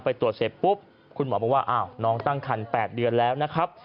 ไปตรวจเสร็จปุ๊บคุณหมอบอกว่าอ้าวน้องตั้งคัน๘เดือนแล้วนะครับ